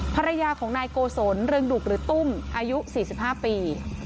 ภรรยาของนายโกศลเรืองดุกหรือตุ้มอายุ๔๕ปี